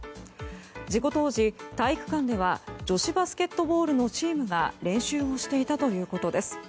事故当時、体育館では女子バスケットボールのチームが練習をしていたということです。